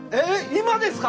今ですか？